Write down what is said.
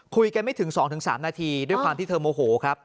คุยกันไม่ถึง๒๓นาทีด้วยความที่เธอโมโหครับ